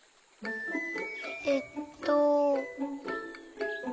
えっと。